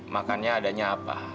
makannya adanya apa